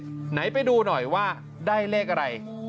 ไหนไปดูหน่อยว่าได้เลขอะไร